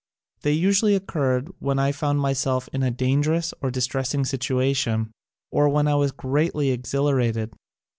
They usually occurred when I found myself in a dangerous or distressing situation or when I was greatly exhila rated.